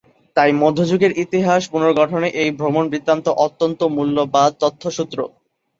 তাই মধ্যযুগের ইতিহাস পুনর্গঠনে এই ভ্রমণ বৃত্তান্ত অত্যন্ত মূল্যবাদ তথ্যসূত্র।